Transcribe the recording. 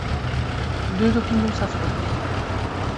Deux opinions s'affrontent.